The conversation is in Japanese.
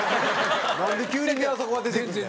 なんで急に宮迫が出てくんねん。なあ？